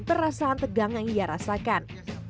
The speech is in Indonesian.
perasaan tegang yang ia rasakan